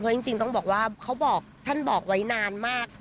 จริงต้องบอกว่าเขาบอกท่านบอกไว้นานมาก